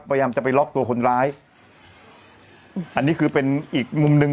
พยายามจะไปล็อกตัวคนร้ายอันนี้คือเป็นอีกมุมหนึ่ง